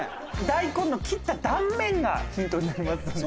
大根の切った断面がヒントになりますので。